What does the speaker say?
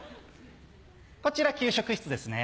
こちら給食室ですね。